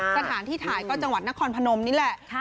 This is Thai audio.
สถานที่ถ่ายก็จังหวัดนครพนมนี่แหละ